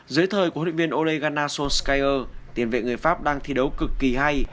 dưới thời của huấn luyện viên ole gunnar solskjaer tiền vệ người pháp đang thi đấu cực kỳ hay